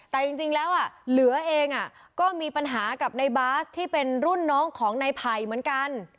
แต่จริงแล้วเหลือเองก็มีปัญหากับในบาสที่เป็นรุ่นน้องของในไผ่เหมือนกัน